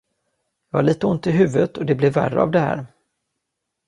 Jag har litet ont i huvudet, och det blir värre av det här.